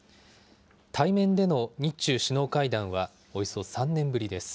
対面での日中首脳会談はおよそ３年ぶりです。